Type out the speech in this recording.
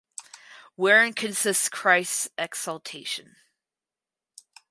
Wherein consists Christ’s exaltation?